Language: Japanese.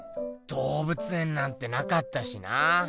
どうぶつ園なんてなかったしな。